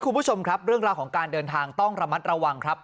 คุณผู้ชมครับเรื่องราวของการเดินทางต้องระมัดระวังครับ